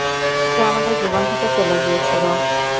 সে আমাদের জীবন থেকে চলে গিয়েছিল।